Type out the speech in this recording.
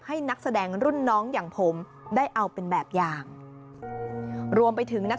นักแสดงรุ่นน้องอย่างผมได้เอาเป็นแบบอย่างรวมไปถึงนัก